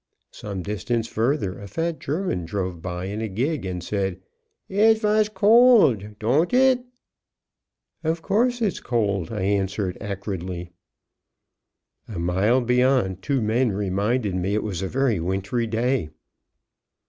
Some distance further a fat German drove by in a gig and said: "It vash cold don't it?" "'Course it's cold!" I answered, acridly. A mile beyond two men reminded me it was a very wintry day.